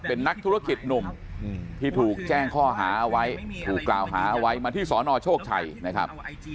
เป็นนักธุรกิจหนุ่มที่ถูกแจ้งข้อหาเอาไว้ถูกกล่าวหาเอาไว้มาที่สนโชคชัยนะครับ